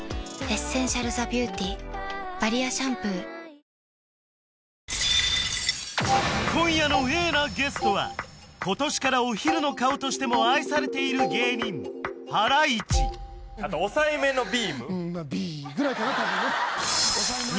「ビオレ」今夜のＡなゲストは今年からお昼の顔としても愛されている芸人抑えめのビームビーぐらいかな？